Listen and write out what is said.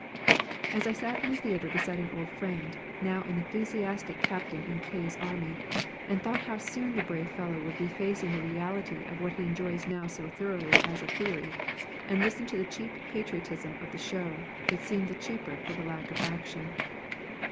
As I sat in the theatre beside an old friend, now an enthusiastic captain in K.'s Army, and thought how soon the brave fellow would be facing the Reality of what he enjoys now so thoroughly as a Theory, and listened to the cheap patriotism of the show, it seemed the cheaper for the lack of action.